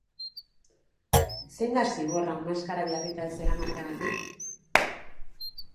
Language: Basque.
Zein da zigorra maskara jarrita ez eramateagatik?